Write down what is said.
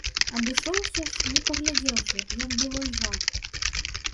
Абышоўся ж не паглядзеўшы, як было льга.